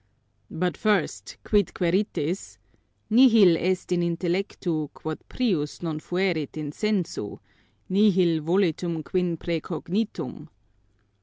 "But first, quid quaeritis? Nihil est in intellectu quod prius non fuerit in sensu; nihil volitum quin praecognitum."